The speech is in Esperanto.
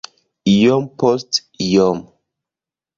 iom post iom